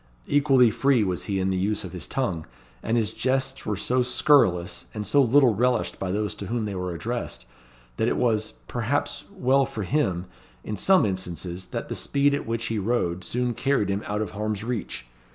Equally free was he in the use of his tongue; and his jests were so scurrilous and so little relished by those to whom they were addressed, that it was, perhaps, well for him, in some instances, that the speed at which he rode soon carried him out of harm's reach.